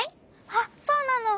あっそうなの！